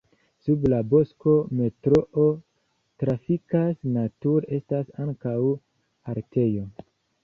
Sub la bosko metroo trafikas, nature estas ankaŭ haltejo.